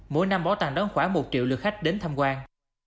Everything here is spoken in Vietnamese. mỗi năm bảo tàng đón khoảng một triệu lượt khách đến tham quan